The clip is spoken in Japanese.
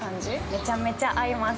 めちゃめちゃ合います。